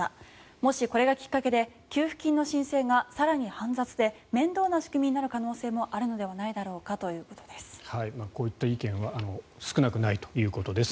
もし、これがきっかけで給付金の申請が更に煩雑で面倒な仕組みになる可能性もあるのではないだろうかということです。